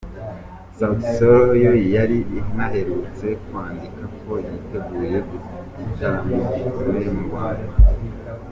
Sauti Sol yo yari inaherutse kwandika ko “yiteguye igitaramo gikomeye mu Rwanda”.